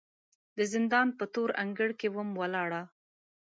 د زندان په تور انګړ کې وم ولاړه